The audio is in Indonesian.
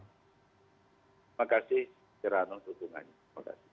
terima kasih pak erano untuk dukungannya